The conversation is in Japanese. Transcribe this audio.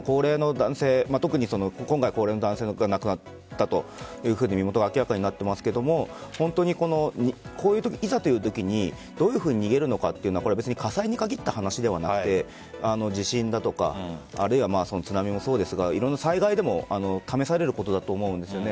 特に今回は高齢の男性が亡くなったというふうに身元が明らかになっていますが本当にこういうときにどういうふうに逃げるのかというのは火災に限った話ではなくて地震だとかあるいは津波もそうですがいろんな災害でも試されることだと思うんですよね。